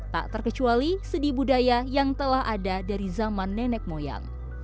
tak terkecuali sedih budaya yang telah ada dari zaman nenek moyang